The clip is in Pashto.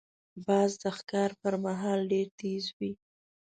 باز د ښکار پر مهال ډېر تیز وي